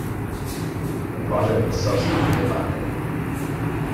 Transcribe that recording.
The project was subsequently abandoned.